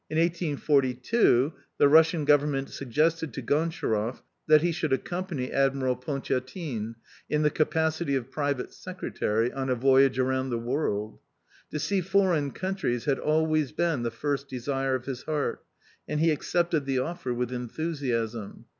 In 1852, the Russian Government suggested to Gontcharoff that he should accompany Admiral Pontiatine, in the capacity of private secretary, on a voyage around the world. To see foreign countries had always been the first desire of his heart, and he accepted the offer with enthusiasm.